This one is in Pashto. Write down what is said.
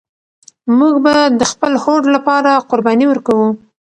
موږ به د خپل هوډ لپاره قرباني ورکوو.